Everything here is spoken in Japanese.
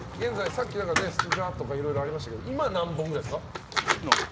さっき捨てたとかいろいろありましたけど今、何本ぐらいですか？